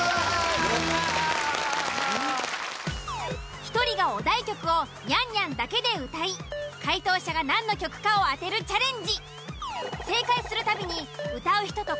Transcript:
１人がお題曲を「ニャンニャン」だけで歌い解答者が何の曲かを当てるチャレンジ。